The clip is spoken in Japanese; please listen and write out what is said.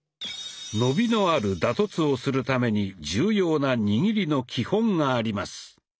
伸びのある打突をするために重要な「握りの基本」があります。